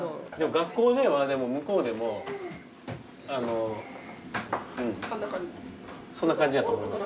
学校では向こうでもあのうんそんな感じやと思います。